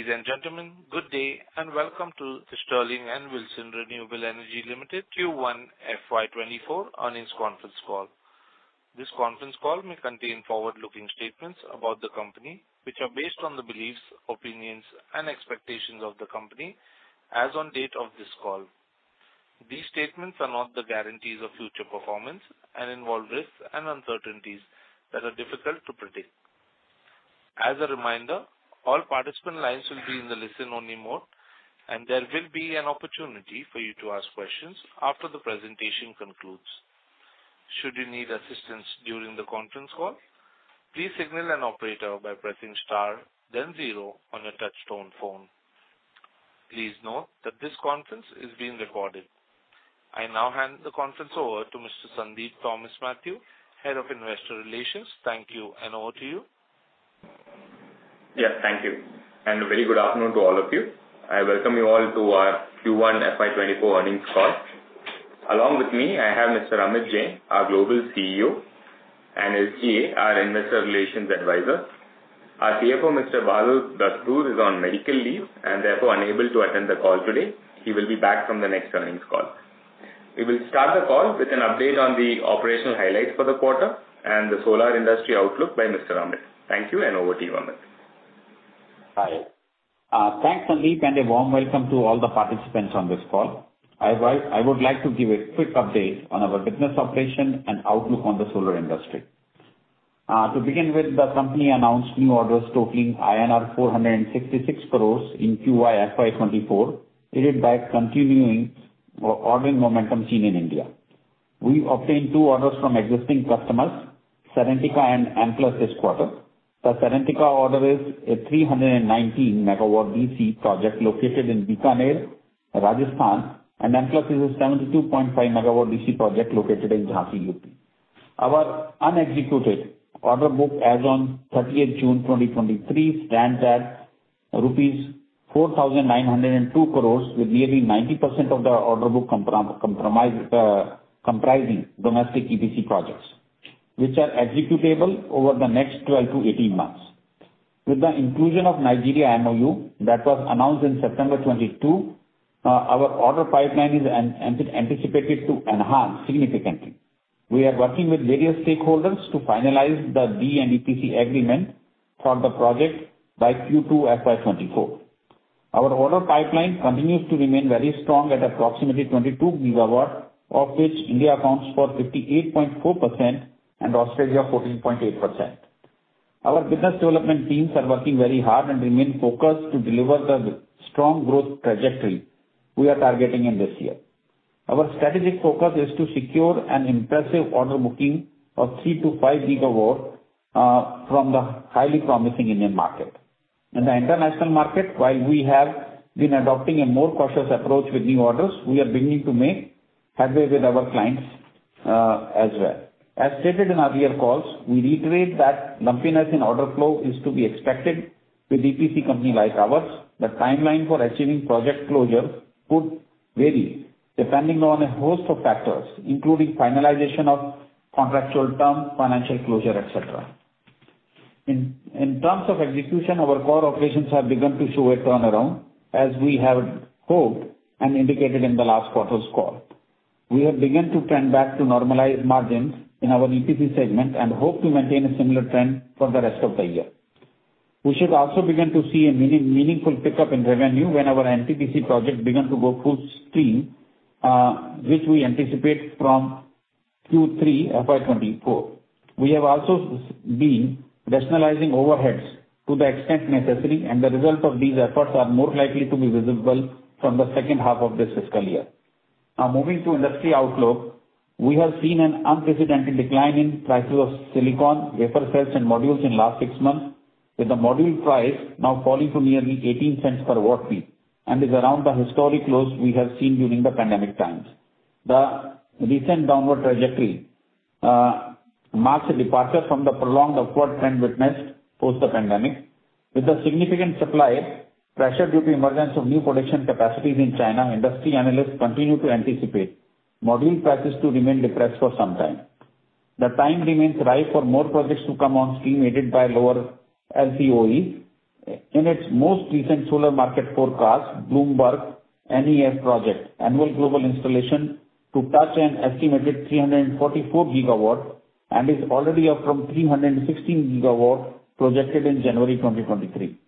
Ladies and gentlemen, good day. Welcome to the Sterling and Wilson Renewable Energy Limited Q1 FY 2024 earnings conference call. This conference call may contain forward-looking statements about the company, which are based on the beliefs, opinions, and expectations of the company as on date of this call. These statements are not the guarantees of future performance and involve risks and uncertainties that are difficult to predict. As a reminder, all participant lines will be in the listen-only mode, and there will be an opportunity for you to ask questions after the presentation concludes. Should you need assistance during the conference call, please signal an operator by pressing star then zero on your touchtone phone. Please note that this conference is being recorded. I now hand the conference over to Mr. Sandeep Thomas Mathew, Head of Investor Relations. Thank you, and over to you. Yes, thank you, and a very good afternoon to all of you. I welcome you all to our Q1 FY 2024 earnings call. Along with me, I have Mr. Amit Jain, our Global CEO, and SGA, our investor relations advisor. Our CFO, Mr. Bahadur Dastoor, is on medical leave and therefore unable to attend the call today. He will be back from the next earnings call. We will start the call with an update on the operational highlights for the quarter and the solar industry outlook by Mr. Amit. Thank you, and over to you, Amit. Hi, thanks, Sandeep, and a warm welcome to all the participants on this call. I would like to give a quick update on our business operation and outlook on the solar industry. To begin with, the company announced new orders totaling INR 466 crores in Q1 FY 2024, aided by continuing ordering momentum seen in India. We obtained two orders from existing customers, Serentica and Amplus, this quarter. The Serentica order is a 319 MW DC project located in Bikaner, Rajasthan, and Amplus is a 72.5 MW DC project located in Jhansi, UP. Our unexecuted order book as on 30th June 2023, stands at rupees 4,902 crores, with nearly 90% of the order book compromised, comprising domestic EPC projects, which are executable over the next 12 to 18 months. With the inclusion of Nigeria MoU that was announced in September 2022, our order pipeline is anticipated to enhance significantly. We are working with various stakeholders to finalize the D&EPC agreement for the project by Q2 FY 2024. Our order pipeline continues to remain very strong at approximately 22 GW, of which India accounts for 58.4% and Australia, 14.8%. Our business development teams are working very hard and remain focused to deliver the strong growth trajectory we are targeting in this year. Our strategic focus is to secure an impressive order booking of 3 GW-5 GW from the highly promising Indian market. In the international market, while we have been adopting a more cautious approach with new orders, we are beginning to make headway with our clients as well. As stated in our earlier calls, we reiterate that lumpiness in order flow is to be expected with EPC company like ours. The timeline for achieving project closure could vary, depending on a host of factors, including finalization of contractual terms, financial closure, etc. In terms of execution, our core operations have begun to show a turnaround, as we have hoped and indicated in the last quarter's call. We have begun to trend back to normalized margins in our EPC segment and hope to maintain a similar trend for the rest of the year. We should also begin to see a meaningful pickup in revenue when our NTPC project begins to go full stream, which we anticipate from Q3 FY 2024. We have also been rationalizing overheads to the extent necessary. The result of these efforts are more likely to be visible from the second half of this fiscal year. Moving to industry outlook, we have seen an unprecedented decline in prices of silicon, wafer cells, and modules in last six months, with the module price now falling to nearly $0.18 per watt peak and is around the historic lows we have seen during the pandemic times. The recent downward trajectory marks a departure from the prolonged upward trend witnessed post the pandemic. With the significant supply pressure due to emergence of new production capacities in China, industry analysts continue to anticipate module prices to remain depressed for some time. The time remains right for more projects to come on stream, aided by lower LCOE. In its most recent solar market forecast, BloombergNEF project annual global installation to touch an estimated 344 GW, and is already up from 316 GW projected in January 2023.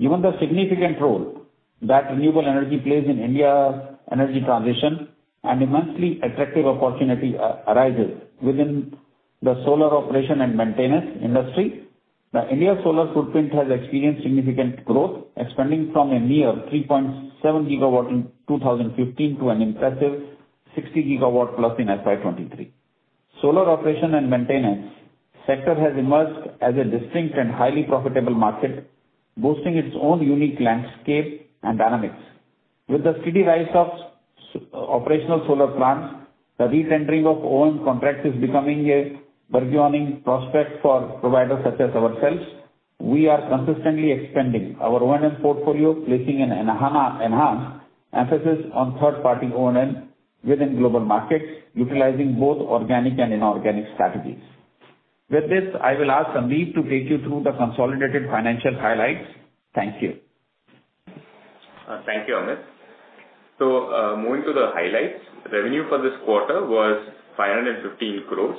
Given the significant role that renewable energy plays in India's energy transition, an immensely attractive opportunity arises within the solar operation and maintenance industry. The India solar footprint has experienced significant growth, expanding from a mere 3.7 GW in 2015 to an impressive 60 GW+ in FY 2023. Solar operation and maintenance sector has emerged as a distinct and highly profitable market, boasting its own unique landscape and dynamics. With the steady rise of operational solar plants, the recent ring of own contracts is becoming a burgeoning prospect for providers such as ourselves. We are consistently expanding our O&M portfolio, placing an enhanced emphasis on third-party O&M within global markets, utilizing both organic and inorganic strategies. With this, I will ask Sandeep to take you through the consolidated financial highlights. Thank you. Thank you, Amit. Moving to the highlights. Revenue for this quarter was 515 crores.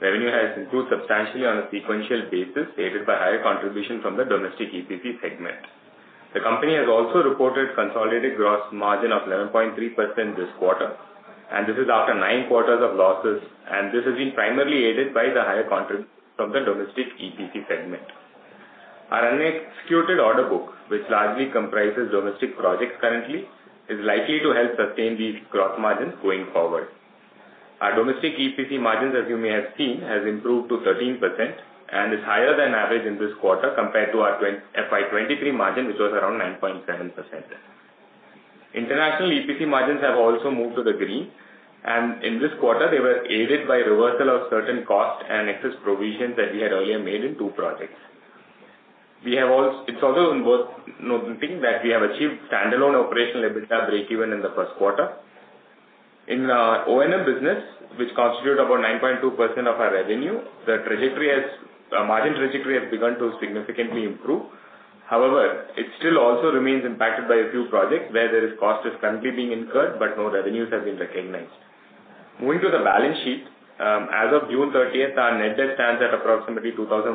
Revenue has improved substantially on a sequential basis, aided by higher contribution from the domestic EPC segment. The company has also reported consolidated gross margin of 11.3% this quarter. This is after nine quarters of losses, and this has been primarily aided by the higher contribution from the domestic EPC segment. Our unexecuted order book, which largely comprises domestic projects currently, is likely to help sustain these gross margins going forward. Our domestic EPC margins, as you may have seen, has improved to 13% and is higher than average in this quarter compared to our FY 2023 margin, which was around 9.7%. International EPC margins have also moved to the green. In this quarter, they were aided by reversal of certain costs and excess provisions that we had earlier made in two projects. It's also worth noting that we have achieved standalone operational EBITDA breakeven in the first quarter. In O&M business, which constitute about 9.2% of our revenue, the margin trajectory has begun to significantly improve. It still also remains impacted by a few projects where cost is currently being incurred, but no revenues have been recognized. Moving to the balance sheet, as of June 30th, our net debt stands at approximately 2,100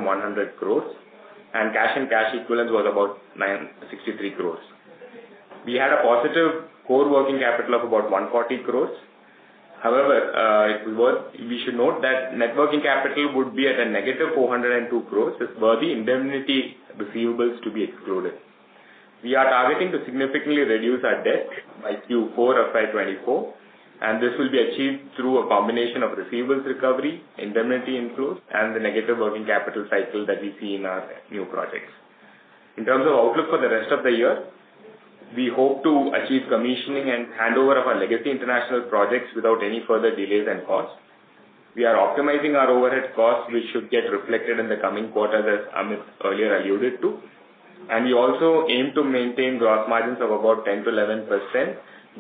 crores, and cash and cash equivalents was about 63 crores. We had a positive core working capital of about 140 crores. However, we should note that net working capital would be at a negative 402 crores, this were the indemnity receivables to be excluded. We are targeting to significantly reduce our debt by Q4 FY 2024, and this will be achieved through a combination of receivables recovery, indemnity improves, and the negative working capital cycle that we see in our new projects. In terms of outlook for the rest of the year, we hope to achieve commissioning and handover of our legacy international projects without any further delays and costs. We are optimizing our overhead costs, which should get reflected in the coming quarters, as Amit earlier alluded to. We also aim to maintain gross margins of about 10%-11%,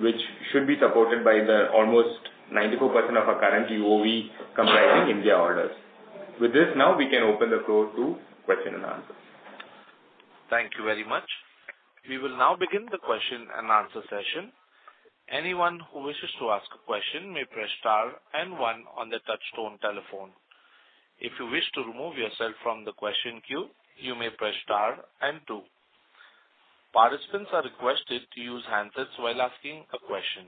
which should be supported by the almost 94% of our current OOV comprising India orders. With this, now we can open the floor to question and answer. Thank you very much. We will now begin the question and answer session. Anyone who wishes to ask a question may press star and one on the touchtone telephone. If you wish to remove yourself from the question queue, you may press star and two. Participants are requested to use handsets while asking a question.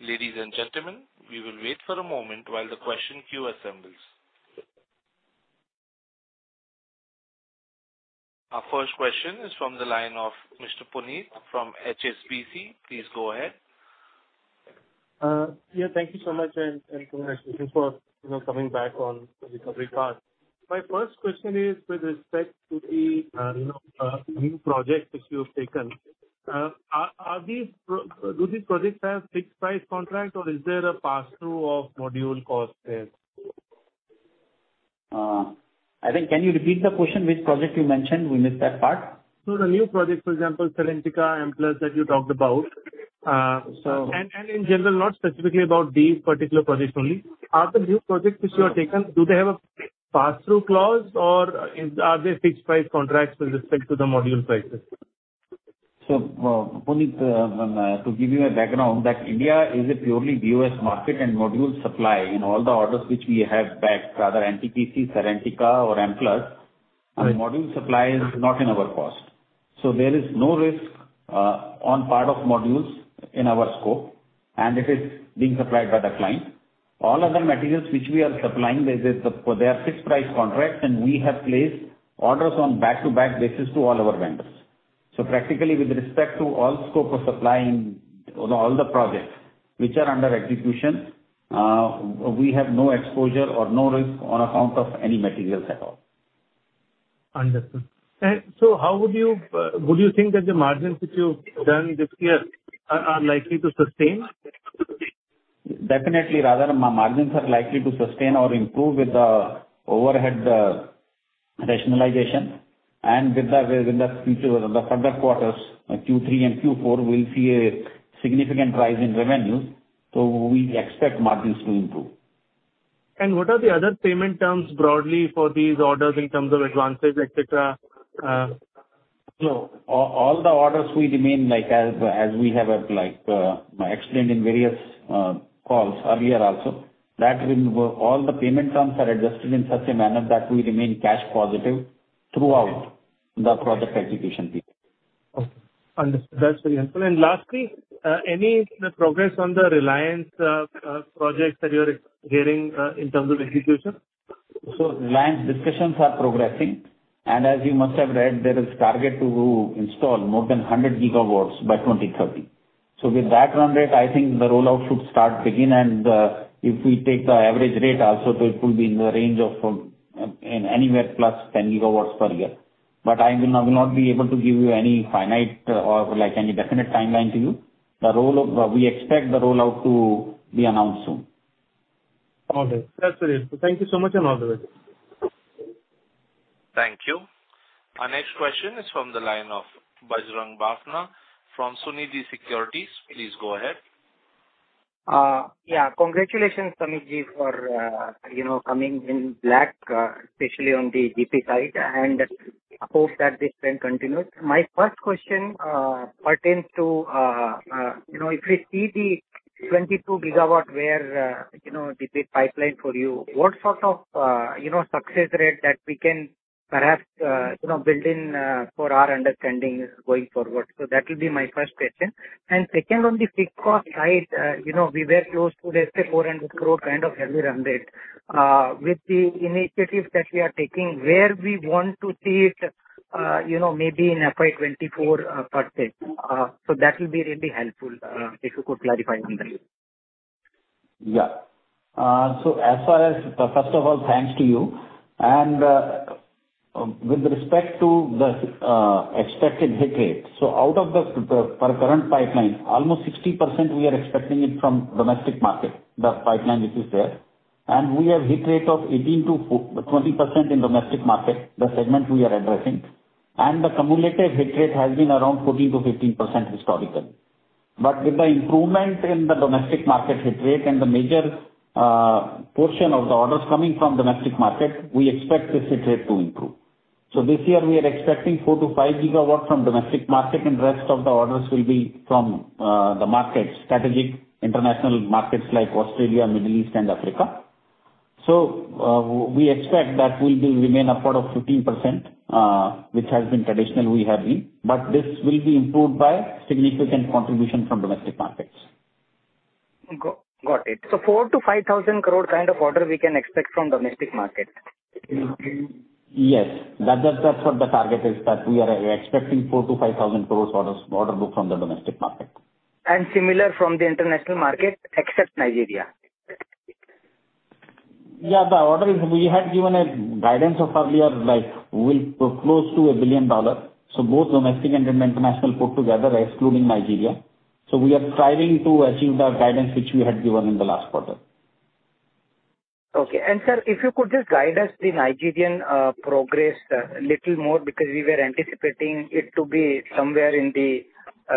Ladies and gentlemen, we will wait for a moment while the question queue assembles. Our first question is from the line of Mr. Puneet from HSBC. Please go ahead. Yeah, thank you so much, and congratulations for, you know, coming back on the recovery part. My first question is with respect to the, you know, new projects which you have taken. Do these projects have fixed price contract, or is there a pass-through of module cost there? I think can you repeat the question, which project you mentioned? We missed that part. The new project, for example, Serentica, Amplus, that you talked about, and in general, not specifically about these particular projects only, are the new projects which you have taken, do they have a pass-through clause, or are they fixed price contracts with respect to the module prices? Puneet, to give you a background, that India is a purely BOS market and module supply in all the orders which we have backed, rather NTPC, Serentica or Amplus. Right. The module supply is not in our cost. There is no risk on part of modules in our scope, and it is being supplied by the client. All other materials which we are supplying, they are fixed price contracts, and we have placed orders on back-to-back basis to all our vendors. Practically, with respect to all scope of supplying on all the projects which are under execution, we have no exposure or no risk on account of any materials at all. Understood. Would you think that the margins which you've done this year are likely to sustain? Definitely, rather, margins are likely to sustain or improve with the overhead rationalization, and with the future, the further quarters, Q3 and Q4, we'll see a significant rise in revenue, so we expect margins to improve. What are the other payment terms broadly for these orders in terms of advances, et cetera? All the orders we remain like, as we have, like, explained in various calls earlier also, that all the payment terms are adjusted in such a manner that we remain cash positive throughout the project execution period. Okay. Understood. That's very helpful. Lastly, any progress on the Reliance project that you're getting in terms of execution? Reliance, discussions are progressing, as you must have read, there is target to install more than 100 GW by 2030. With that run rate, I think the rollout should start beginning, if we take the average rate also, it will be in the range of, anywhere +10 GW per year. I will not be able to give you any finite or, like, any definite timeline to you. The rollout, we expect the rollout to be announced soon. Okay. That's very helpful. Thank you so much. All the best. Thank you. Our next question is from the line of Bajrang Bafna from Sunidhi Securities. Please go ahead. Yeah, congratulations, Amit Jain, for, you know, coming in black, especially on the EPC side, and I hope that this trend continues. My first question pertains to, you know, if we see the 22 GW where, you know, the big pipeline for you, what sort of, you know, success rate that we can perhaps, you know, build in for our understanding is going forward? That will be my first question. Second, on the fixed cost side, you know, we were close to, let's say, 400 crore kind of heavy run rate. With the initiatives that we are taking, where we want to see it, you know, maybe in FY 2024 perspective. That will be really helpful if you could clarify on that. First of all, thanks to you. With respect to the expected hit rate, out of the our current pipeline, almost 60% we are expecting it from domestic market, the pipeline which is there, and we have hit rate of 18%-20% in domestic market, the segment we are addressing, and the cumulative hit rate has been around 14%-15% historically. With the improvement in the domestic market hit rate and the major portion of the orders coming from domestic market, we expect this hit rate to improve. This year we are expecting 4 GW-5 GW from domestic market, and rest of the orders will be from the market, strategic international markets like Australia, Middle East, and Africa. We expect that will be remain upward of 15%, which has been traditional, we have been, but this will be improved by significant contribution from domestic markets. Got it. 4,000 crore-5,000 crore kind of order we can expect from domestic market? That's what the target is, that we are expecting 4,000 crore-5,000 crore orders, order book from the domestic market. Similar from the international market, except Nigeria. Yeah, the order is, we had given a guidance of earlier, like, will be close to $1 billion. Both domestic and international put together, excluding Nigeria. We are striving to achieve the guidance which we had given in the last quarter. Okay. Sir, if you could just guide us, the Nigerian progress little more, because we were anticipating it to be somewhere in the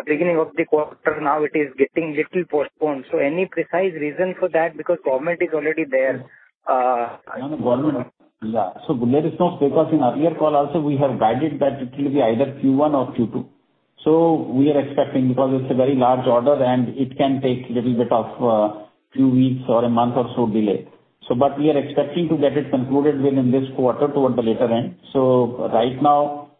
beginning of the quarter. Now it is getting little postponed. Any precise reason for that? Because government is already there. On the government, yeah. There is no, because in earlier call also, we have guided that it will be either Q1 or Q2. We are expecting, because it's a very large order, and it can take little bit of few weeks or a month or so delay. We are expecting to get it concluded within this quarter toward the later end. Right now,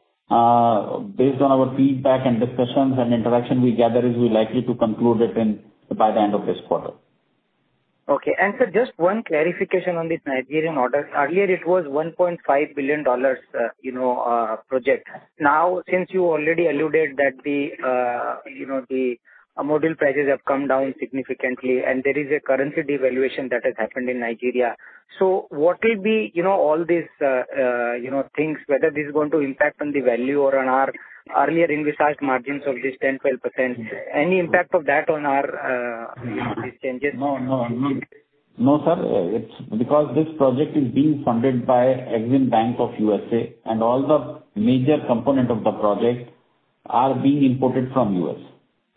based on our feedback and discussions and interaction we gather, is we're likely to conclude it in by the end of this quarter. Okay. Sir, just one clarification on this Nigerian order. Earlier, it was $1.5 billion, you know, project. Now, since you already alluded that the, you know, the module prices have come down significantly, and there is a currency devaluation that has happened in Nigeria. What will be, you know, all these, you know, things, whether this is going to impact on the value or on our earlier envisaged margins of this 10%, 12%? Any impact of that on our, you know, these changes? No, no. No, sir, it's because this project is being funded by EXIM Bank of USA, and all the major component of the project are being imported from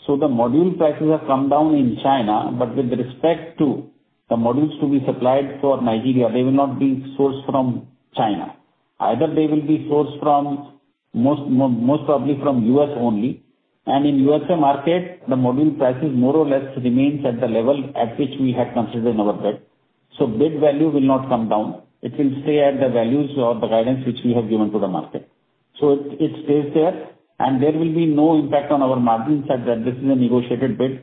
U.S. The module prices have come down in China, but with respect to the modules to be supplied for Nigeria, they will not be sourced from China. Either they will be sourced from most probably from U.S. only, and in USA market, the module prices more or less remains at the level at which we had considered in our bid. Bid value will not come down. It will stay at the values or the guidance which we have given to the market. It stays there, and there will be no impact on our margins, as that this is a negotiated bid.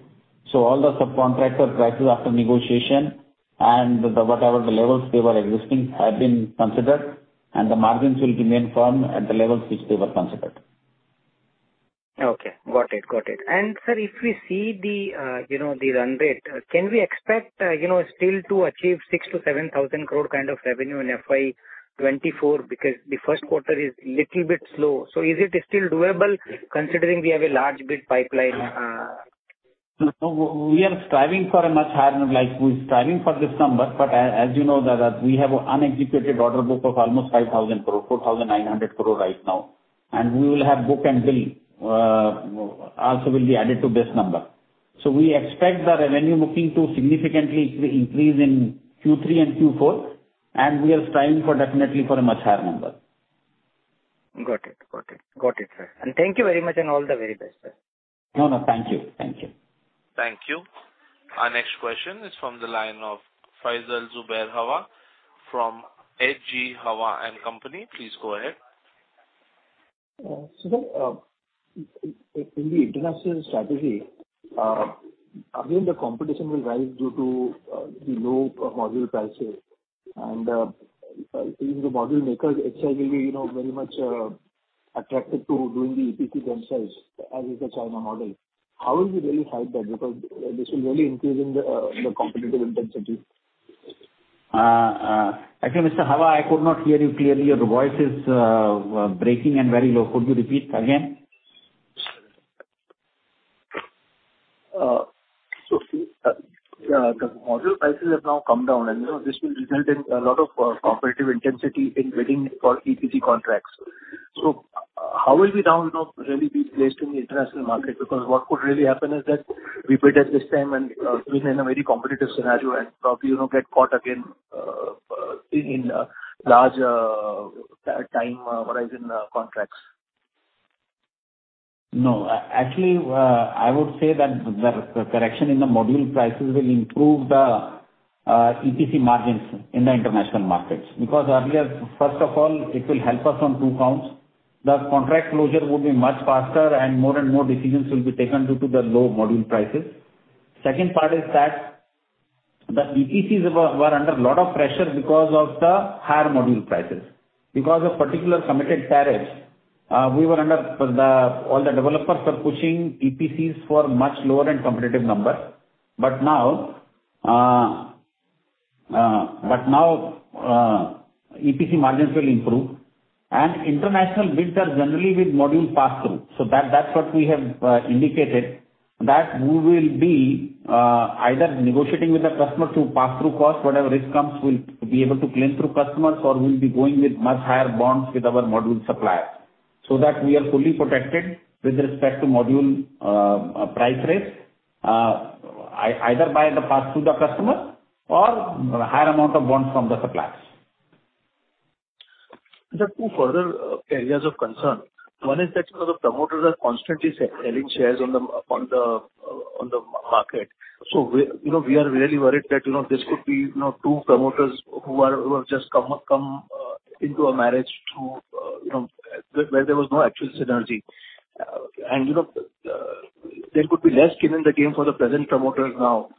All the subcontractor prices after negotiation and the whatever the levels they were existing have been considered, and the margins will remain firm at the levels which they were considered. Okay. Got it, got it. Sir, if we see the, you know, the run rate, can we expect, you know, still to achieve 6,000 crore-7,000 crore kind of revenue in FY 2024? The first quarter is little bit slow, is it still doable, considering we have a large bid pipeline? No, we are striving for a much higher, like, we're striving for this number, but as you know, that we have unexecuted order book of almost 5,000 crore, 4,900 crore right now, and we will have book and bill also will be added to this number. We expect the revenue booking to significantly increase in Q3 and Q4, and we are striving for definitely for a much higher number. Got it. Got it. Got it, sir. Thank you very much, and all the very best, sir. No, thank you. Thank you. Our next question is from the line of Faisal Zubair Hawa, from H. G. Hawa & Company. Please go ahead. In the international strategy, again, the competition will rise due to the low module prices, even the module makers itself will be, you know, very much attracted to doing the EPC themselves, as is the China model. How will you really fight that? Because this will really increase in the competitive intensity. Actually, Mr. Hawa, I could not hear you clearly. Your voice is breaking and very low. Could you repeat again? Yeah, the module prices have now come down, you know, this will result in a lot of competitive intensity in bidding for EPC contracts. How will we now, you know, really be placed in the international market? What could really happen is that we bid at this time and within a very competitive scenario and probably, you know, get caught again in large time horizon contracts. Actually, I would say that the correction in the module prices will improve the EPC margins in the international markets. Earlier, first of all, it will help us on two counts. The contract closure would be much faster, and more and more decisions will be taken due to the low module prices. Second part is that the EPCs were under a lot of pressure because of the higher module prices. Of particular committed tariffs, we were under. All the developers were pushing EPCs for much lower and competitive numbers. Now, EPC margins will improve, and international bids are generally with module pass-through. That's what we have indicated, that we will be either negotiating with the customer to pass through cost, whatever risk comes, we'll be able to claim through customers, or we'll be going with much higher bonds with our module suppliers, so that we are fully protected with respect to module price risk, either by the pass-through the customer or higher amount of bonds from the suppliers. There are two further areas of concern. One is that, you know, the promoters are constantly selling shares on the, on the market. We, you know, we are really worried that, you know, this could be, you know, two promoters who are, who have just come into a marriage to, you know, where there was no actual synergy. You know, there could be less skin in the game for the present promoters now.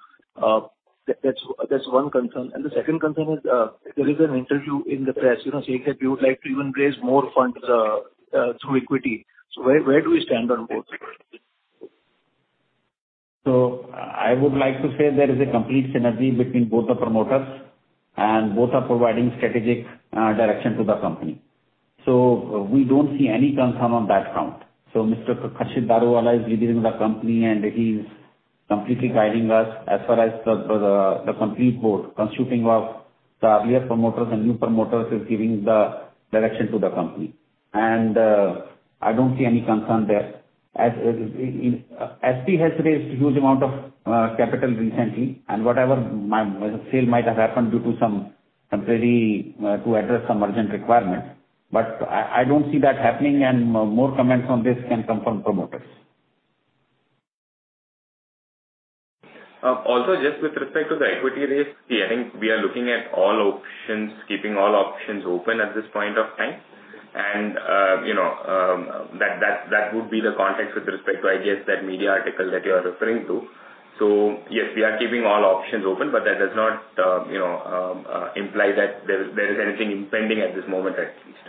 That's one concern. The second concern is there is an interview in the press, you know, saying that you would like to even raise more funds through equity. Where, where do we stand on both? I would like to say there is a complete synergy between both the promoters, and both are providing strategic direction to the company, we don't see any concern on that count. Mr. Khurshed Daruvala is leading the company, and he's completely guiding us as far as the complete board, constituting of the earlier promoters and new promoters, is giving the direction to the company. I don't see any concern there. SP has raised a huge amount of capital recently, and whatever sale might have happened due to some temporary to address some urgent requirements. I don't see that happening, and more comments on this can come from promoters. Also, just with respect to the equity raise, yeah, I think we are looking at all options, keeping all options open at this point of time. You know, that would be the context with respect to, I guess, that media article that you are referring to. Yes, we are keeping all options open, but that does not, you know, imply that there is anything impending at this moment, at least.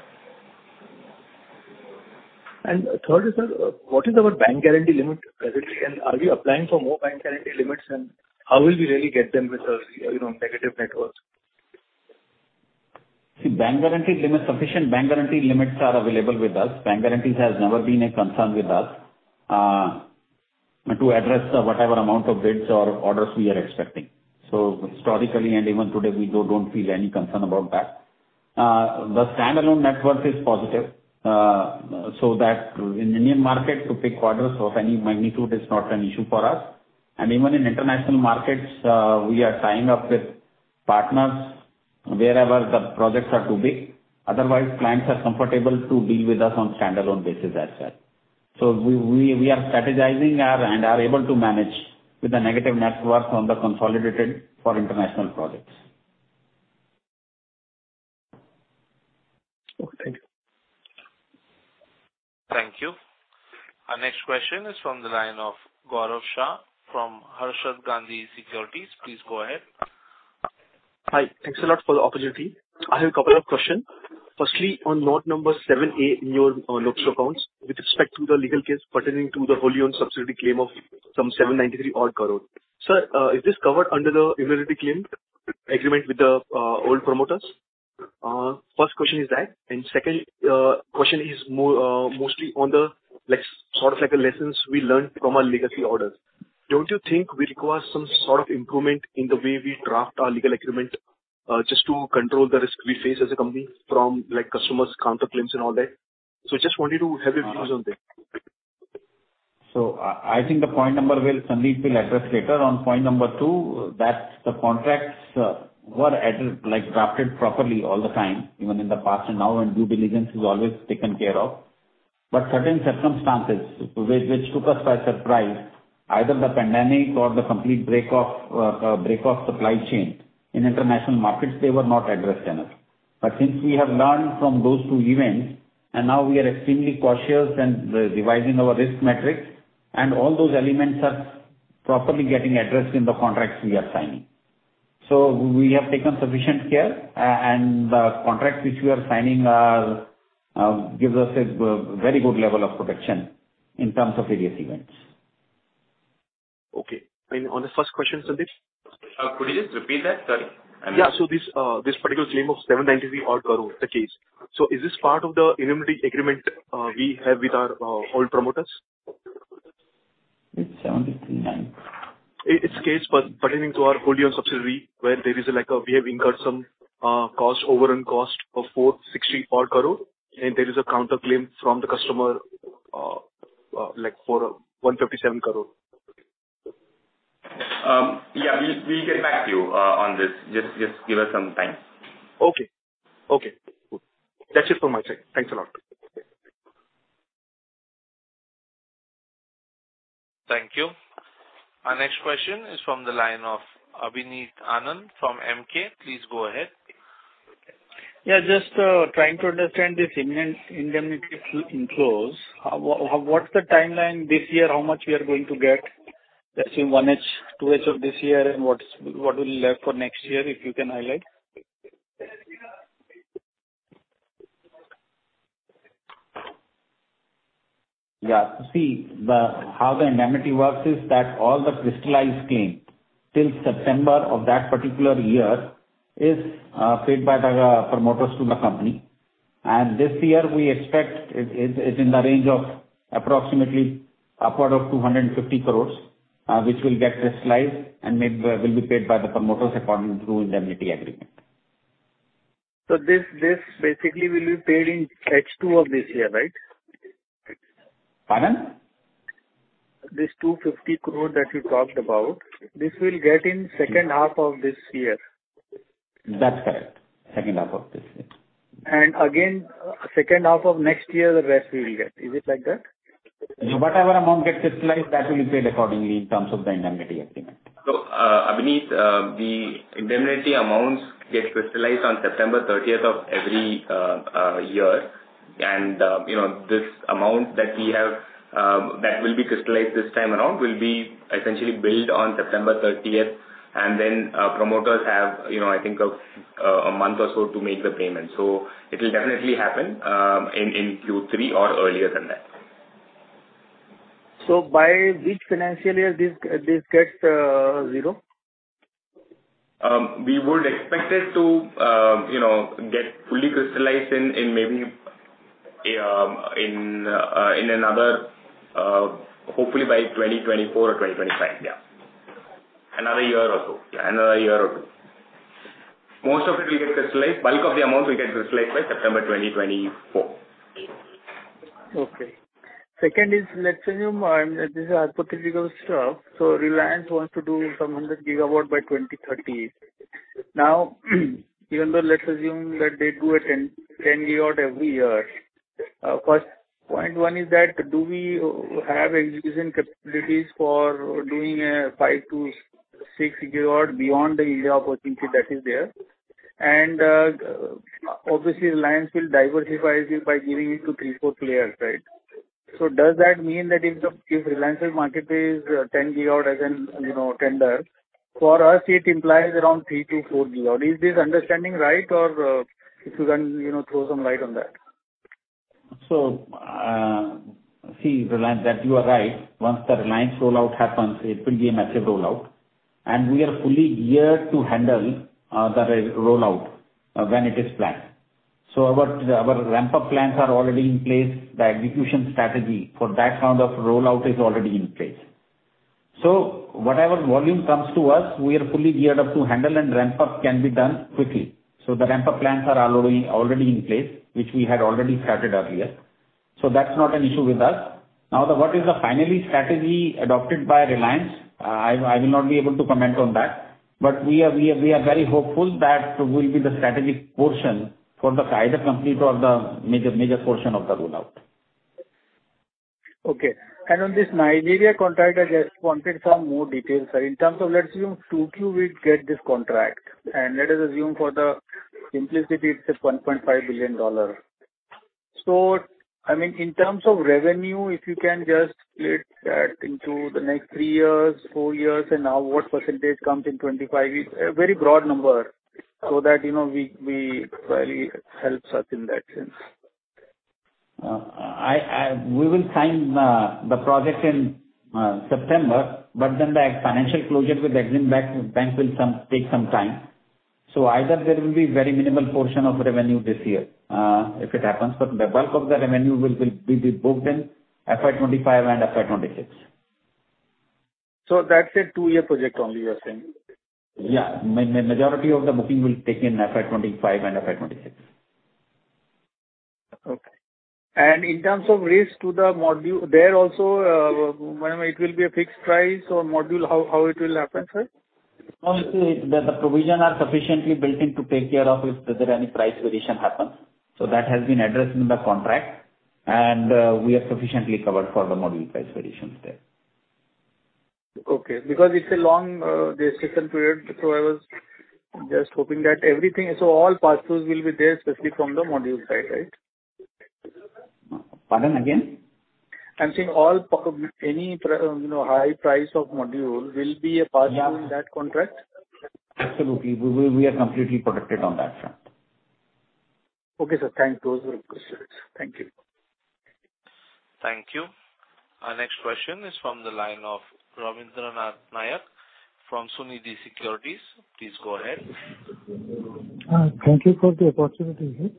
Thirdly, sir, what is our bank guarantee limit presently? Are we applying for more bank guarantee limits, and how will we really get them with, you know, negative networks? Bank guarantee limits, sufficient bank guarantee limits are available with us. Bank guarantee has never been a concern with us, to address whatever amount of bids or orders we are expecting. Historically, and even today, we don't feel any concern about that. The standalone net worth is positive, that in Indian market, to pick orders of any magnitude is not an issue for us. Even in international markets, we are tying up with partners wherever the projects are too big, otherwise, clients are comfortable to deal with us on standalone basis as such. We are strategizing and are able to manage with the negative net worth on the consolidated for international projects. Okay, thank you. Thank you. Our next question is from the line of Gaurav Shah, from Harshad Gandhi Securities. Please go ahead. Hi. Thanks a lot for the opportunity. I have a couple of questions. Firstly, on note number 7A, in your notes to accounts, with respect to the legal case pertaining to the wholly owned subsidiary claim of some 793 crore. Sir, is this covered under the indemnity claim agreement with the old promoters? First question is that. Second, question is mostly on the less, sort of like the lessons we learned from our legacy orders. Don't you think we require some sort of improvement in the way we draft our legal agreement, just to control the risk we face as a company from, like, customers' counterclaims and all that? Just wanted to have your views on this. I think the point number one, Sandeep will address later. On point number two, that's the contracts were drafted properly all the time, even in the past and now, due diligence is always taken care of. Certain circumstances, which took us by surprise, either the pandemic or the complete break-off supply chain in international markets, they were not addressed enough. Since we have learned from those two events, now we are extremely cautious, revising our risk matrix, and all those elements are properly getting addressed in the contracts we are signing. We have taken sufficient care, and the contracts which we are signing gives us a very good level of protection in terms of various events. Okay. On the first question, Sandeep? Could you just repeat that? Sorry. This particular claim of 793 crore, the case. Is this part of the indemnity agreement we have with our old promoters? It's 73.9. It's a case pertaining to our wholly-owned subsidiary, where there is, like, we have incurred some cost, overrun cost of 464 crore. There is a counter claim from the customer, like, for 157 crore. Yeah, we'll get back to you, on this. Just give us some time. Okay. Okay, cool. That's it from my side. Thanks a lot. Thank you. Our next question is from the line of Abhineet Anand from MK. Please go ahead. Yeah, just trying to understand this indemnity in close. What's the timeline this year, how much we are going to get, let's say, 1H, 2H of this year, and what will be left for next year, if you can highlight? Yeah. See, the, how the indemnity works is that all the crystallized claim till September of that particular year is paid back by the promoters to the company. This year, we expect it's in the range of approximately upward of 250 crores, which will get crystallized and made, will be paid by the promoters according to indemnity agreement. This basically will be paid in H2 of this year, right? Pardon? This 250 crore that you talked about, this will get in second half of this year. That's correct. Second half of this year. Again, second half of next year, the rest we will get. Is it like that? Whatever amount gets crystallized, that will be paid accordingly in terms of the indemnity agreement. Abhineet, the indemnity amounts get crystallized on September 30th of every year. You know, this amount that we have, that will be crystallized this time around, will be essentially built on September 30th, and then promoters have, you know, I think, a month or so to make the payment. It'll definitely happen in Q3 or earlier than that. By which financial year this gets zero? We would expect it to, you know, get fully crystallized in maybe, in another, hopefully by 2024 or 2025. Yeah, another year or so. Most of it will get crystallized. Bulk of the amount will get crystallized by September 2024. Okay. Second is, let's assume, this is a hypothetical stuff, Reliance wants to do some 100 GW by 2030. Now, even though let's assume that they do a 10 GW every year, first, point 1 is that, do we have execution capabilities for doing a 5 GW-6 GW beyond the India opportunity that is there? Obviously, Reliance will diversify this by giving it to three, four players, right? Does that mean that if Reliance's market is 10 GW as in, you know, tender, for us, it implies around 3 GW-4 GW. Is this understanding right? Or, if you can, you know, throw some light on that. See, Reliance, that you are right. Once the Reliance rollout happens, it will be a massive rollout, and we are fully geared to handle the rollout when it is planned. Our ramp-up plans are already in place. The execution strategy for that kind of rollout is already in place. Whatever volume comes to us, we are fully geared up to handle, and ramp-up can be done quickly. The ramp-up plans are already in place, which we had already started earlier. That's not an issue with us. Now, what is the finally strategy adopted by Reliance, I will not be able to comment on that, but we are very hopeful that we'll be the strategic portion for the either complete or the major portion of the rollout. Okay. On this Nigeria contract, I just wanted some more details. In terms of let's assume, Q2, we get this contract, let us assume for the simplicity, it's a $1.5 billion. I mean, in terms of revenue, if you can just split that into the next three years, four years, and now what percentage comes in 2025? A very broad number so that, you know, we probably helps us in that sense. I, we will sign, the project in September. The financial closure with the Exim Bank will take some time. Either there will be very minimal portion of revenue this year, if it happens, but the bulk of the revenue will be booked in FY 2025 and FY 2026. That's a two-year project only, you are saying? Yeah. Majority of the booking will take in FY 2025 and FY 2026. Okay. In terms of risk to the module, there also, whether it will be a fixed price or module, how it will happen, sir? No, see, the provision are sufficiently built in to take care of if there are any price variation happens. That has been addressed in the contract, and we are sufficiently covered for the module price variations there. Okay, it's a long duration period, I was just hoping that everything... All pass-throughs will be there, especially from the module side, right? Pardon again? I'm saying you know, high price of module will be a pass-through. Yeah. In that contract? Absolutely. We will, we are completely protected on that front. Okay, sir. Thank you. Those were the questions. Thank you. Thank you. Our next question is from the line of Rabindra Nath Nayak from Sunidhi Securities. Please go ahead. Thank you for the opportunity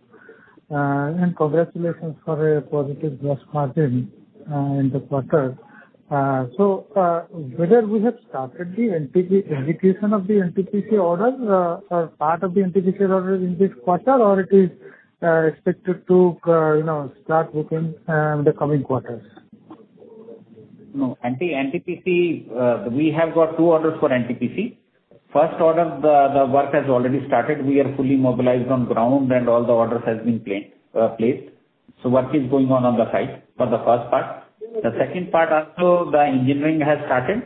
here. Congratulations for a positive gross margin in the quarter. Whether we have started the NTPC, execution of the NTPC order, or part of the NTPC order in this quarter, or it is expected to, you know, start within the coming quarters? No, NTPC, we have got two orders for NTPC. First order, the work has already started. We are fully mobilized on ground, all the orders has been placed. Work is going on on the site for the first part. The second part also, the engineering has started,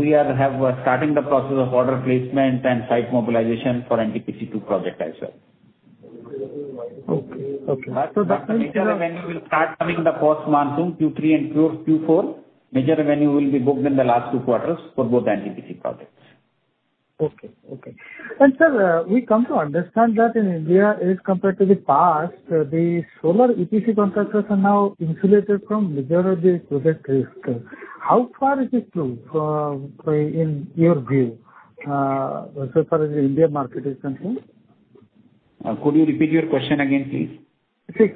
we are starting the process of order placement and site mobilization for NTPC 2 project as well. Okay, okay. That means. Major revenue will start coming in the first monsoon, Q3 and Q4. Major revenue will be booked in the last two quarters for both NTPC projects. Okay, okay. Sir, we come to understand that in India, as compared to the past, the solar EPC contractors are now insulated from majority project risk. How far is it true, in your view, so far as the Indian market is concerned? Could you repeat your question again, please? Okay.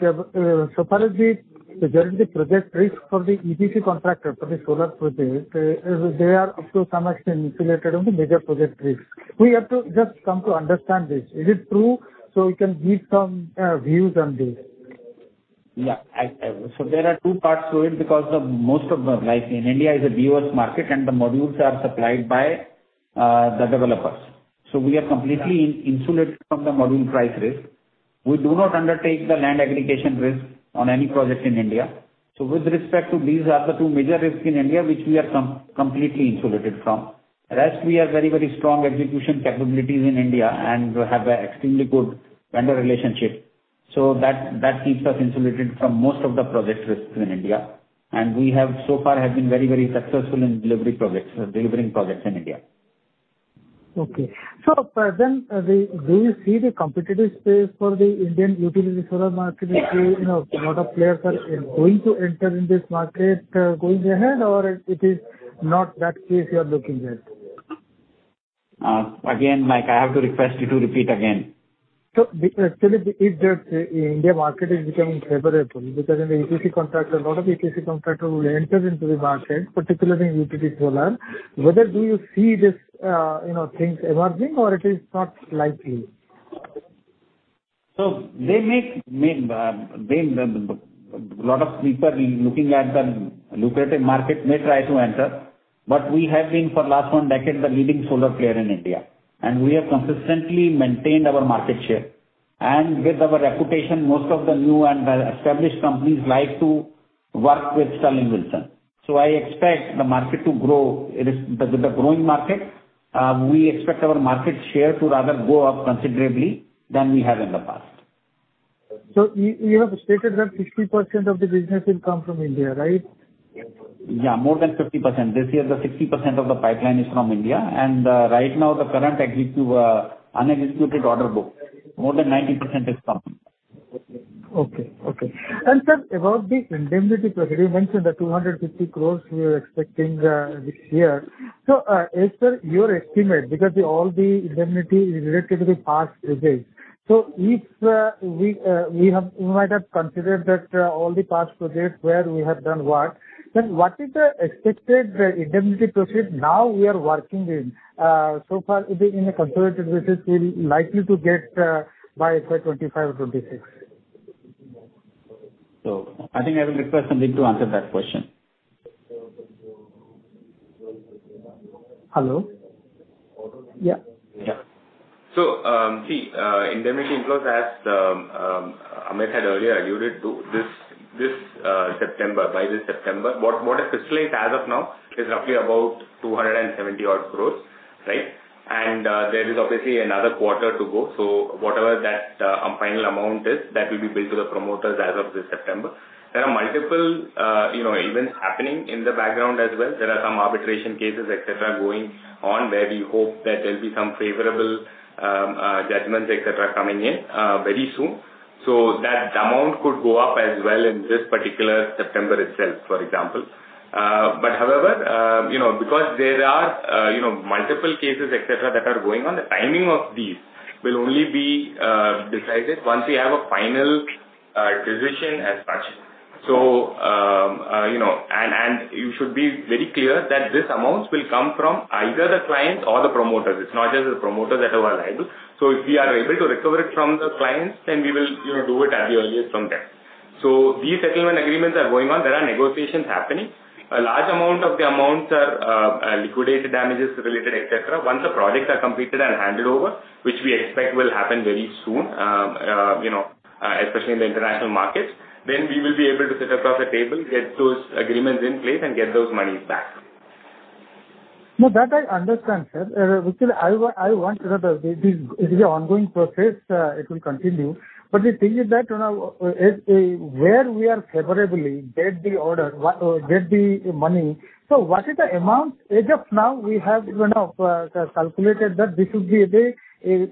So far as the majority project risk for the EPC contractor, for the solar project, they are up to some extent insulated on the major project risk. We have to just come to understand this. Is it true? You can give some views on this. There are two parts to it, because the most of the in India, is a BOS market, and the modules are supplied by the developers. We are completely insulated from the module price risk. We do not undertake the land aggregation risk on any project in India. With respect to these are the two major risks in India, which we are completely insulated from. Rest, we have very strong execution capabilities in India, and we have a extremely good vendor relationship. That keeps us insulated from most of the project risks in India, and we have so far have been very successful in delivery projects, delivering projects in India. Okay. Do you see the competitive space for the Indian utility solar market is, you know, a lot of players are going to enter in this market, going ahead, or it is not that case you are looking at? Again, like, I have to request you to repeat again. The, actually, if the India market is becoming favorable, because in the EPC contractor, a lot of EPC contractor will enter into the market, particularly in utility solar. Whether do you see this, you know, things emerging, or it is not likely? They may, lot of people looking at the lucrative market may try to enter, but we have been, for last one decade, the leading solar player in India, and we have consistently maintained our market share. With our reputation, most of the new and established companies like to work with Sterling Wilson. I expect the market to grow. It is the growing market. We expect our market share to rather go up considerably than we have in the past. You have stated that 60% of the business will come from India, right? Yeah, more than 50%. This year, the 60% of the pipeline is from India, and right now, the current executive, unexecuted order book, more than 90% is coming. Okay. Sir, about the indemnity process, you mentioned the 250 crore we are expecting this year. As per your estimate, because all the indemnity is related to the past projects, if we have, we might have considered that all the past projects where we have done work, then what is the expected indemnity proceed now we are working in? So far, it is in a consolidated basis, we're likely to get by FY 2025 or FY 2026. I think I will request Sandeep to answer that question. Hello? Yeah. Yeah. Indemnity inflows, as Amit had earlier argued it to this September, by this September, what is crystallized as of now is roughly about 270 odd crores, right? There is obviously another quarter to go. Whatever that final amount is, that will be paid to the promoters as of this September. There are multiple, you know, events happening in the background as well. There are some arbitration cases, et cetera, going on, where we hope that there'll be some favorable judgments, et cetera, coming in very soon. That amount could go up as well in this particular September itself, for example. However, you know, because there are, you know, multiple cases, et cetera, that are going on, the timing of these will only be decided once we have a final decision as such. You know, and you should be very clear that this amounts will come from either the client or the promoters. It's not just the promoters that are liable. If we are able to recover it from the clients, then we will, you know, do it at the earliest from them. These settlement agreements are going on. There are negotiations happening. A large amount of the amounts are liquidated damages related, et cetera. Once the projects are completed and handed over, which we expect will happen very soon, you know, especially in the international markets, then we will be able to sit across the table, get those agreements in place, and get those monies back. No, that I understand, sir. which I want to know that this is an ongoing process, it will continue. The thing is that, you know, where we are favorably get the order, get the money, so what is the amount as of now we have, you know, calculated that this should be the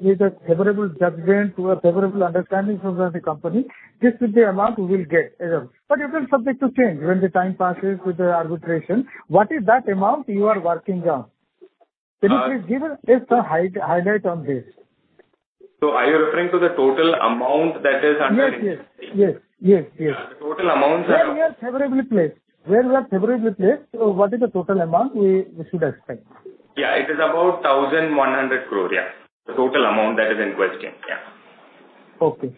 with a favorable judgment or a favorable understanding from the company, this is the amount we will get. It is subject to change when the time passes with the arbitration. What is that amount you are working on? Can you please give us just a highlight on this? Are you referring to the total amount that is? Yes, yes. Yes, yes. The total amount. Where we are favorably placed. Where we are favorably placed, what is the total amount we should expect? It is about 1,100 crore, yeah. The total amount that is in question, yeah. Okay.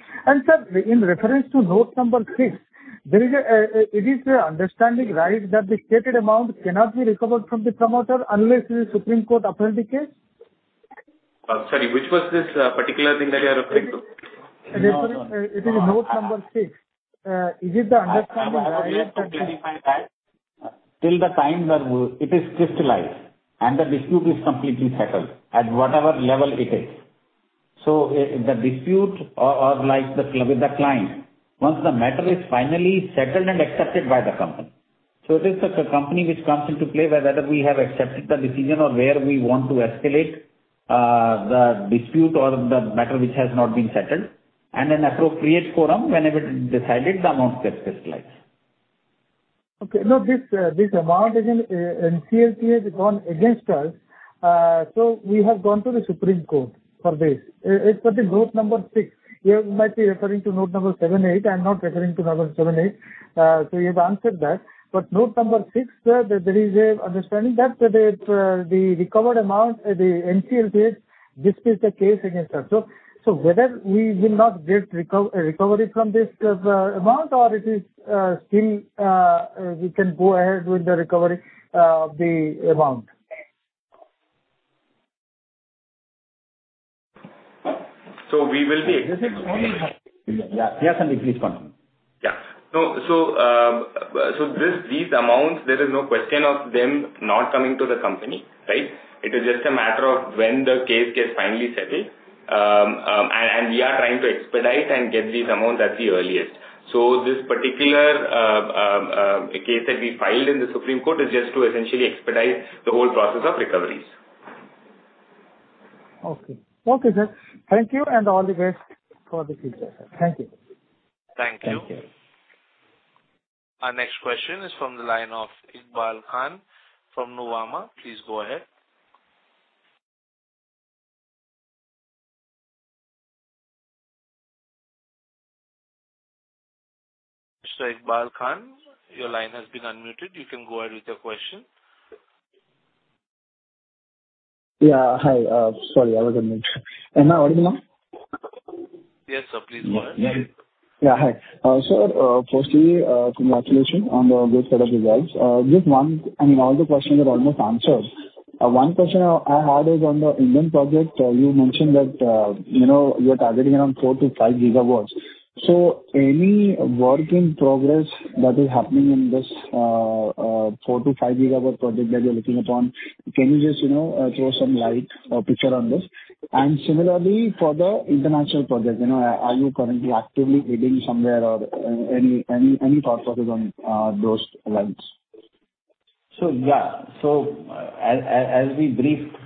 Sir, in reference to note number 6, there is a, it is your understanding, right, that the stated amount cannot be recovered from the promoter unless the Supreme Court approves the case? Sorry, which was this particular thing that you are referring to? It is note number 6. Till the time that it is crystallized, and the dispute is completely settled at whatever level it is. If the dispute or like the, with the client, once the matter is finally settled and accepted by the company. It is the company which comes into play, where whether we have accepted the decision or where we want to escalate, the dispute or the matter which has not been settled, and an appropriate quorum, whenever it is decided, the amount gets crystallized. Okay. No, this amount is in. NCLT has gone against us. We have gone to the Supreme Court for this. It's for note number 6. You might be referring to note number 7A. I'm not referring to number 7A. You've answered that. Note number 6, there is a understanding that the recovered amount. The NCLT disputes the case against us. Whether we will not get recovery from this amount, or it is still, we can go ahead with the recovery, the amount? So we will be. Yeah. Yes, Sandeep, please confirm. Yeah. These amounts, there is no question of them not coming to the company, right? It is just a matter of when the case gets finally settled. We are trying to expedite and get these amounts at the earliest. This particular case that we filed in the Supreme Court is just to essentially expedite the whole process of recoveries. Okay. Okay, sir. Thank you, and all the best for the future, sir. Thank you. Thank you. Thank you. Our next question is from the line of Iqbal Khan from Nuvama. Please go ahead. Mr. Iqbal Khan, your line has been unmuted. You can go ahead with your question. Yeah, hi. Sorry, I was on mute. Audible? Yes, sir, please go ahead. Yeah. Yeah, hi. sir, firstly, congratulations on the good set of results. I mean, all the questions you have almost answered. one question I had is on the Indian project. you mentioned that, you know, you are targeting around 4 GW-5 GW. any work in progress that is happening in this 4 GW-5 GW project that you're looking upon, can you just, you know, throw some light or picture on this? similarly, for the international projects, you know, are you currently actively bidding somewhere or any thought process on those lines? Yeah. As we briefed,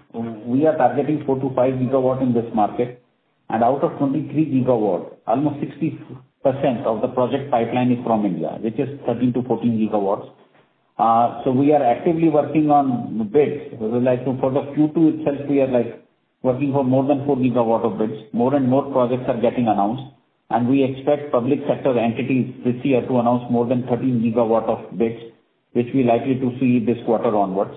we are targeting 4 GW-5 GW in this market, and out of 23 GW, almost 60% of the project pipeline is from India, which is 13 GW-14 GW. We are actively working on bids. Like for the Q2 itself, we are, like, working for more than 4 GW of bids. More and more projects are getting announced, and we expect public sector entities this year to announce more than 13 GW of bids, which we likely to see this quarter onwards.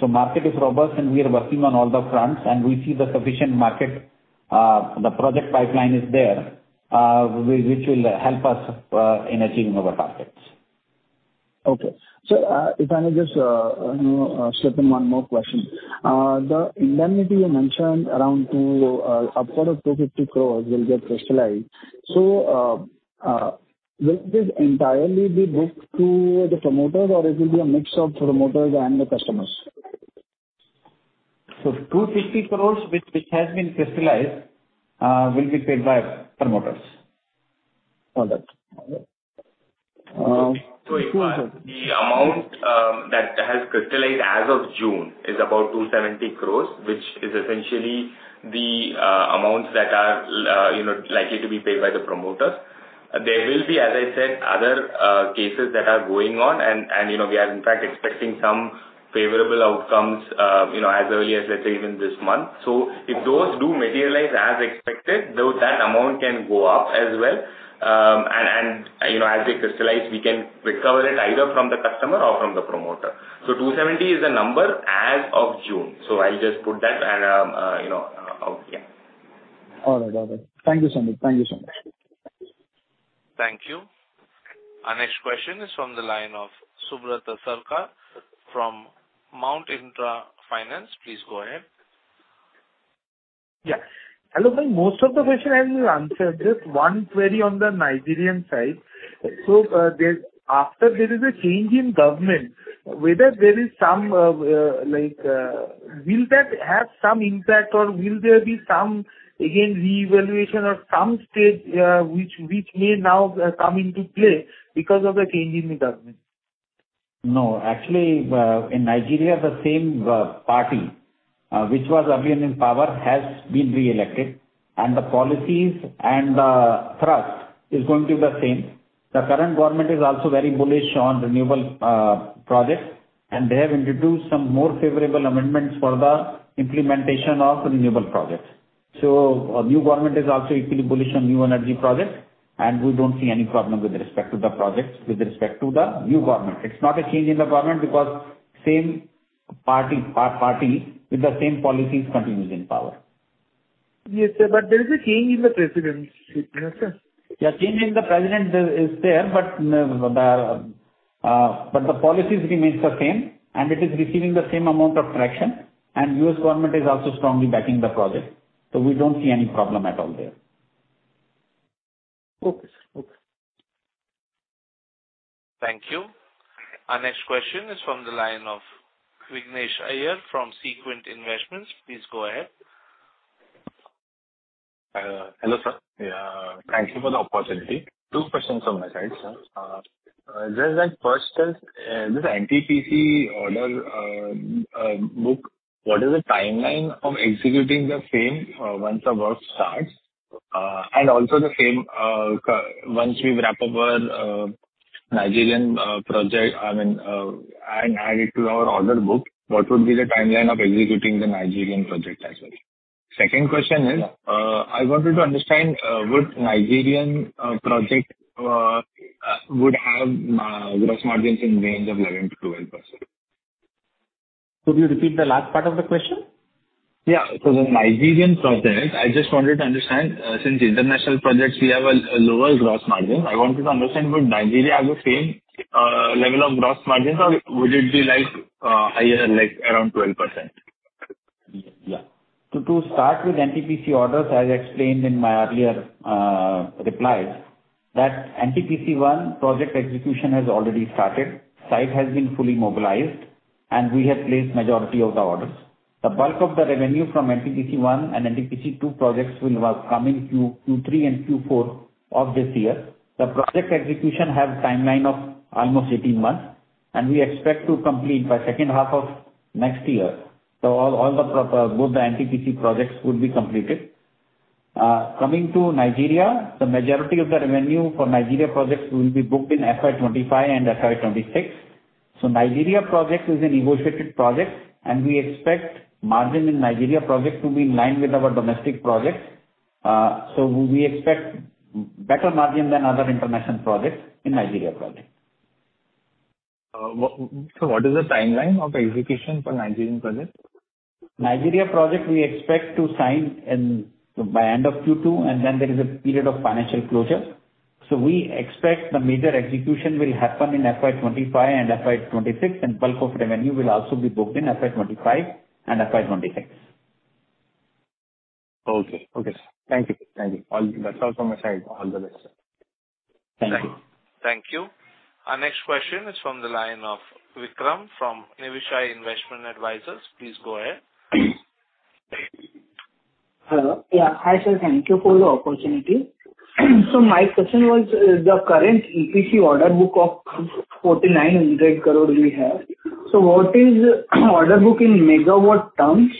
Market is robust, and we are working on all the fronts, and we see the sufficient market, the project pipeline is there, which will help us in achieving our targets. If I may just, you know, slip in one more question. The indemnity you mentioned around to upwards of 250 crores will get crystallized. Will this entirely be booked to the promoters, or it will be a mix of promoters and the customers? 250 crores, which has been crystallized, will be paid by promoters. All right. Iqbal, the amount that has crystallized as of June is about 270 crores, which is essentially the amounts that are, you know, likely to be paid by the promoters. There will be, as I said, other cases that are going on, and, you know, we are in fact expecting some favorable outcomes, you know, as early as, let's say, even this month. If those do materialize as expected, though, that amount can go up as well. And, you know, as they crystallize, we can recover it either from the customer or from the promoter. 270 is the number as of June. I'll just put that and, you know, out, yeah. All right. All right. Thank you, Sandeep. Thank you so much. Thank you. Our next question is from the line of Subrata Sarkar from Mount Intra Finance. Please go ahead. Yeah. Hello, sir. Most of the question I will answer. Just one query on the Nigerian side. There, after there is a change in government, whether there is some, like, will that have some impact, or will there be some, again, reevaluation or some state, which may now, come into play because of the change in the government? No, actually, in Nigeria, the same party, which was earlier in power, has been re-elected, and the policies and the trust is going to be the same. The current government is also very bullish on renewable projects, and they have introduced some more favorable amendments for the implementation of the renewable projects. New government is also equally bullish on new energy projects, and we don't see any problem with respect to the projects, with respect to the new government. It's not a change in the government because same party with the same policies continues in power. Yes, sir, there is a change in the presidency, correct, sir? Change in the president is there, but the policies remains the same, and it is receiving the same amount of traction, and U.S. government is also strongly backing the project. We don't see any problem at all there. Okay, sir. Okay. Thank you. Our next question is from the line of Vignesh Iyer from Sequent Investments. Please go ahead. Hello, sir. Thank you for the opportunity. Two questions from my side, sir. Just that first is, this NTPC order book, what is the timeline of executing the same, once the work starts? Also the same, once we wrap up our Nigerian project, I mean, and add it to our order book, what would be the timeline of executing the Nigerian project as well? Second question is, I wanted to understand, would Nigerian project have gross margins in range of 11%-12%? Could you repeat the last part of the question? Yeah. The Nigerian project, I just wanted to understand, since international projects we have a lower gross margin, I wanted to understand, would Nigeria have the same level of gross margins, or would it be, like, higher, like around 12%? To start with NTPC orders, as I explained in my earlier replies, that NTPC 1 project execution has already started, site has been fully mobilized, and we have placed majority of the orders. The bulk of the revenue from NTPC 1 and NTPC 2 projects will come in Q3 and Q4 of this year. The project execution have timeline of almost 18 months, and we expect to complete by second half of next year. All the NTPC projects would be completed. Coming to Nigeria, the majority of the revenue for Nigeria projects will be booked in FY 2025 and FY 2026. Nigeria project is a negotiated project, and we expect margin in Nigeria project to be in line with our domestic projects. We expect better margin than other international projects in Nigeria project. what is the timeline of execution for Nigerian project? Nigeria project, we expect to sign in by end of Q2, and then there is a period of financial closure. We expect the major execution will happen in FY 2025 and FY 2026, and bulk of revenue will also be booked in FY 2025 and FY 2026. Okay, sir. Thank you. All, that's all from my side. All the best, sir. Thank you. Thank you. Our next question is from the line of Vikram from Niveshaay Investment Advisors. Please go ahead. Hello. Hi, sir, thank you for the opportunity. My question was, the current EPC order book of 4,900 crore we have, so what is order book in megawatt terms?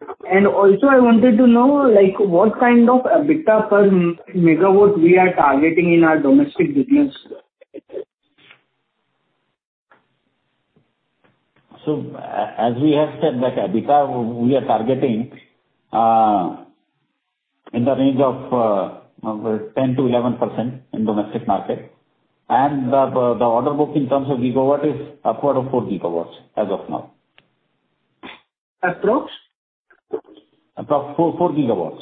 Also I wanted to know, like, what kind of EBITDA per megawatt we are targeting in our domestic business? As we have said that EBITDA, we are targeting in the range of 10%-11% in domestic market, and the order book in terms of gigawatt is upward of 4 GW as of now. Approx? Approx 4 GW.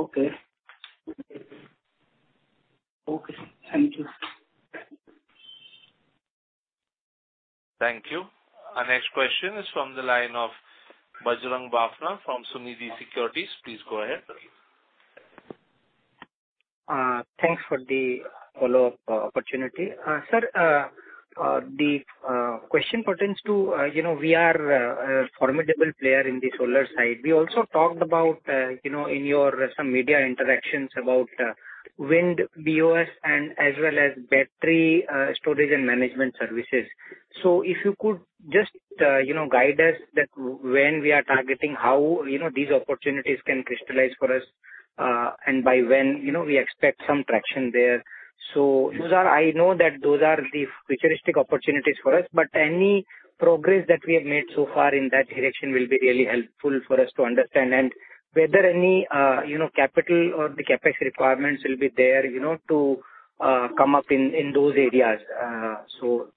Okay. Okay. Thank you. Thank you. Our next question is from the line of Bajrang Bafna from Samruddhi Securities. Please go ahead. Thanks for the follow-up opportunity. Sir, the question pertains to, you know, we are a formidable player in the solar side. We also talked about, you know, in your some media interactions about wind BOS and as well as battery storage and management services. If you could just, you know, guide us that when we are targeting, how, you know, these opportunities can crystallize for us, and by when, you know, we expect some traction there. I know that those are the futuristic opportunities for us, but any progress that we have made so far in that direction will be really helpful for us to understand, and whether any, you know, capital or the CapEx requirements will be there, you know, to come up in those areas? So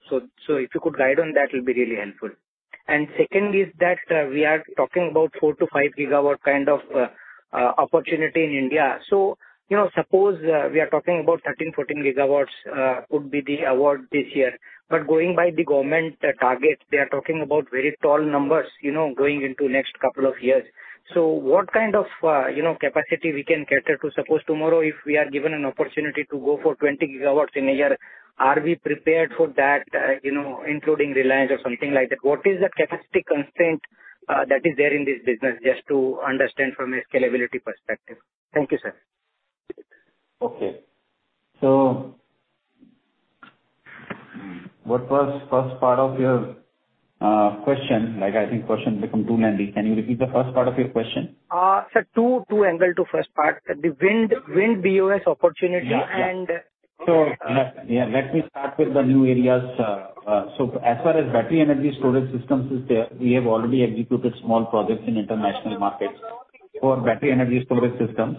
if you could guide on that, it'll be really helpful. Second is that, we are talking about 4 GW-5 GW kind of opportunity in India. You know, suppose, we are talking about 13 GW, 14 GW would be the award this year, going by the government targets, they are talking about very tall numbers, you know, going into next couple of years. What kind of, you know, capacity we can cater to? Suppose tomorrow, if we are given an opportunity to go for 20 GW in a year, are we prepared for that, you know, including Reliance or something like that? What is the capacity constraint that is there in this business, just to understand from a scalability perspective? Thank you, sir. Okay. What was first part of your question? Like, I think question become too many. Can you repeat the first part of your question? Sir, two angle to first part. The wind BOS opportunity. Yeah, yeah. And. Yeah, let me start with the new areas. As far as battery energy storage systems is there, we have already executed small projects in international markets for battery energy storage systems.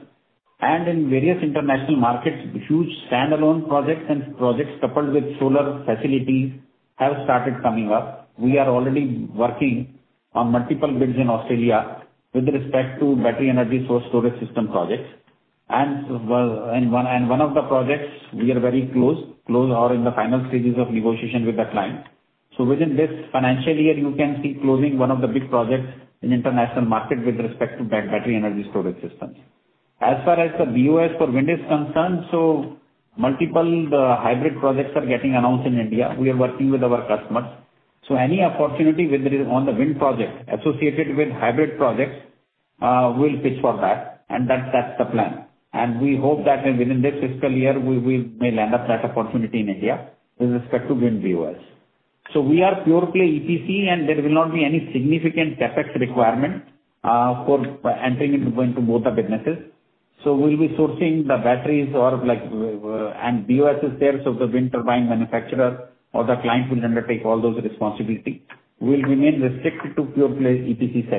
In various international markets, huge standalone projects and projects coupled with solar facilities have started coming up. We are already working on multiple bids in Australia with respect to battery energy storage system projects. One of the projects we are very close or in the final stages of negotiation with the client. Within this financial year, you can see closing one of the big projects in international market with respect to battery energy storage systems. As far as the BOS for wind is concerned, multiple hybrid projects are getting announced in India. We are working with our customers. Any opportunity whether is on the wind project associated with hybrid projects, we'll pitch for that, and that's the plan. We hope that within this fiscal year, we may land up that opportunity in India with respect to wind BOS. We are pure-play EPC, and there will not be any significant CapEx requirement, for entering into, going to both the businesses. We'll be sourcing the batteries or like, BOS is there. The wind turbine manufacturer or the client will undertake all those responsibility. We'll remain restricted to pure-play EPC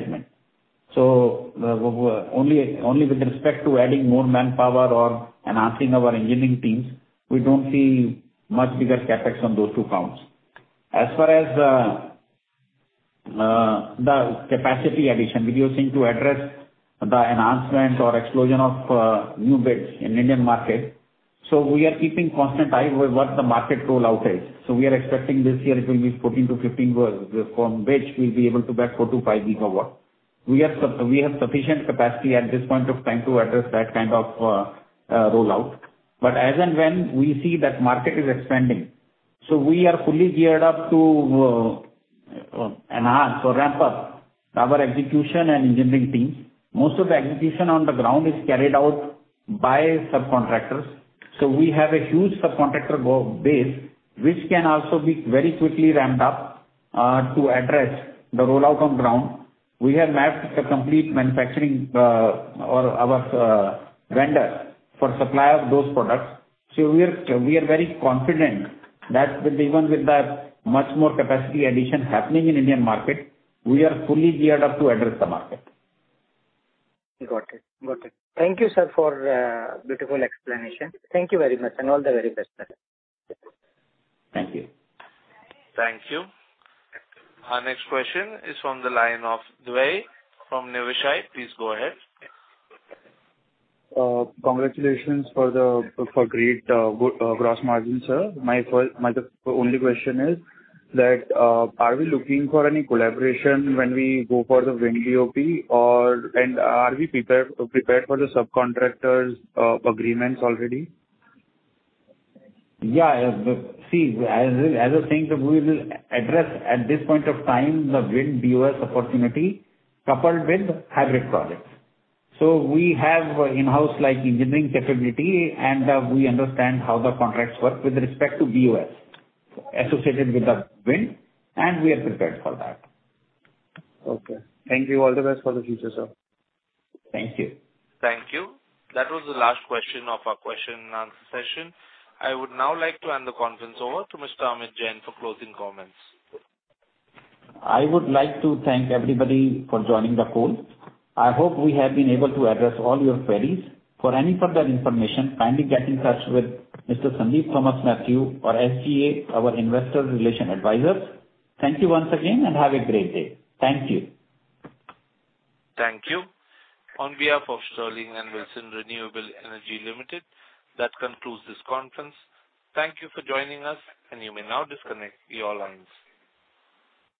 segment. Only with respect to adding more manpower or enhancing our engineering teams, we don't see much bigger CapEx on those two counts. As far as the capacity addition, we are seeking to address the enhancement or explosion of new bids in Indian market. We are keeping constant eye with what the market rollout is. We are expecting this year it will be 14 GW-15 GW, from which we'll be able to back 4 GW-5 GW. We have sufficient capacity at this point of time to address that kind of rollout. As and when we see that market is expanding, so we are fully geared up to enhance or ramp up our execution and engineering teams. Most of the execution on the ground is carried out by subcontractors, so we have a huge subcontractor base, which can also be very quickly ramped up to address the rollout on ground. We have mapped the complete manufacturing, or our, vendor for supply of those products. We are very confident that with even with the much more capacity addition happening in Indian market, we are fully geared up to address the market. Got it. Got it. Thank you, sir, for beautiful explanation. Thank you very much, and all the very best, sir. Thank you. Thank you. Our next question is on the line of [Dwai] from Niveshaay. Please go ahead. Congratulations for great gross margin, sir. My only question is that, are we looking for any collaboration when we go for the wind BOP, or, and are we prepared for the subcontractors agreements already? Yeah, as I was saying, we will address at this point of time, the wind BOS opportunity coupled with hybrid projects. We have in-house like engineering capability, and we understand how the contracts work with respect to BOS associated with the wind, and we are prepared for that. Okay. Thank you. All the best for the future, sir. Thank you. Thank you. That was the last question of our question and answer session. I would now like to hand the conference over to Mr. Amit Jain for closing comments. I would like to thank everybody for joining the call. I hope we have been able to address all your queries. For any further information, kindly get in touch with Mr. Sandeep Thomas Mathew or SGA, our investor relations advisors. Thank you once again, and have a great day. Thank you. Thank you. On behalf of Sterling and Wilson Renewable Energy Limited, that concludes this conference. Thank you for joining us, and you may now disconnect your lines.